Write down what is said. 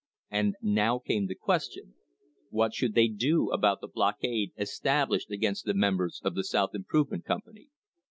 And now came the question, What should they do about the blockade established against the members of the South Improvement Company?